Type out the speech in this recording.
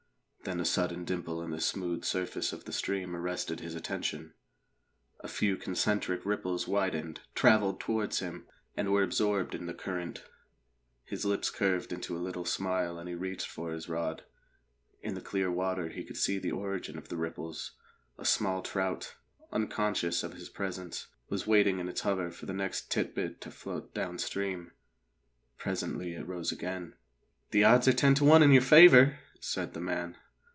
Then a sudden dimple in the smooth surface of the stream arrested his attention. A few concentric ripples widened, travelled towards him, and were absorbed in the current. His lips curved into a little smile and he reached for his rod. In the clear water he could see the origin of the ripples; a small trout, unconscious of his presence, was waiting in its hover for the next tit bit to float downstream. Presently it rose again. "The odds are ten to one in your favour," said the man.